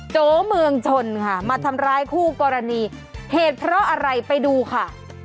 โจเมืองชนค่ะมาทำร้ายคู่กรณีเหตุเพราะอะไรไปดูค่ะ